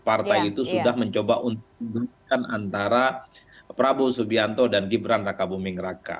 partai itu sudah mencoba untuk membelikan antara prabowo subianto dan gibran raka buming raka